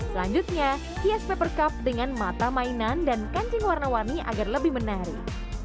selanjutnya hias paper cup dengan mata mainan dan kancing warna warni agar lebih menarik